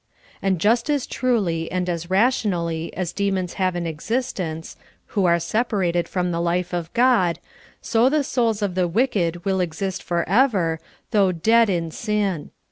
And just as truly and as. rationall}^ as demons have an ex istence, who are separated from the life of God, so the souls of the wicked will exist forever, though dead in sin.